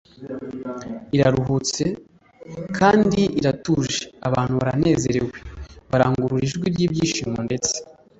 iraruhutse c kandi iratuje Abantu baranezerewe barangurura ijwi ry ibyishimo d Ndetse